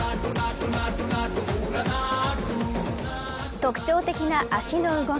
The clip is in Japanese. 特徴的な足の動き。